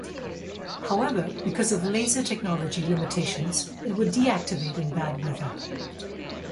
However, because of laser technology limitations, it would deactivate in bad weather.